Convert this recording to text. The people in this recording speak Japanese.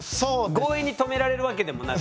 強引に止められるわけでもなく。